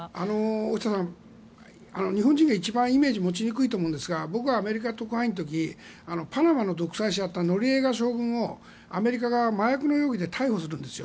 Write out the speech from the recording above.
大下さん、日本人が一番イメージを持ちにくいと思うんですが僕がアメリカ特派員の時にパナマの独裁者のノリエガ将軍をアメリカが麻薬の容疑で逮捕するんですよ。